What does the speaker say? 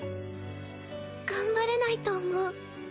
頑張れないと思う。